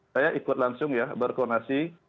saya ikut langsung ya berkoordinasi